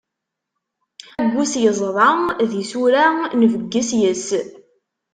Aggus, yeẓḍa d isura, nbegges yes-s.